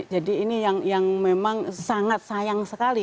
jadi ini yang memang sangat sayang sekali